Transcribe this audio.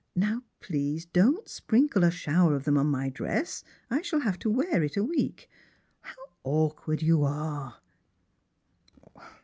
Now, please, don't sprinkle a shower of them on my dross ; I shall have to wear it a week. How awkward you are